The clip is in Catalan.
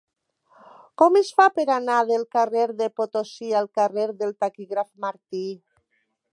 Com es fa per anar del carrer de Potosí al carrer del Taquígraf Martí?